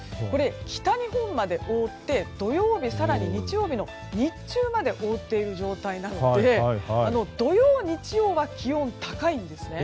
北日本まで覆って土曜日、更に日曜日の日中まで覆っている状態なので土曜、日曜は気温、高いんです。